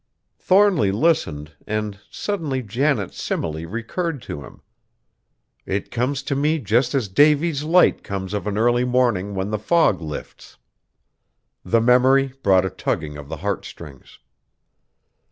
Thornly listened, and suddenly Janet's simile recurred to him: "It comes to me just as Davy's Light comes of an early morning when the fog lifts!" The memory brought a tugging of the heartstrings.